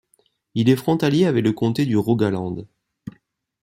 Il est frontalier avec le comté du Rogaland.